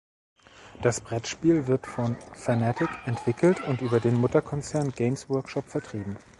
Das Brettspiel wird von Fanatic entwickelt und über den Mutterkonzern Games Workshop vertrieben.